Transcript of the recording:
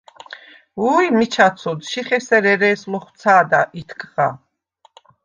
–უ̄ჲ, მიჩა ცოდ, შიხ ესერ ერე̄ს ლოხუ̂ცა̄და ითქღა!